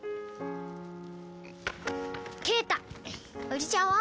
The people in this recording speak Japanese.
おじちゃんは？